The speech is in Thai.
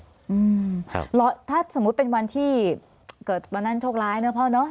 อืมครับรอถ้าสมมุติเป็นวันที่เกิดวันนั้นโชคร้ายเนอะพ่อเนอะ